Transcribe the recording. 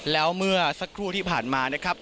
แล้วเมื่อสักครู่ที่ผ่านมานะครับ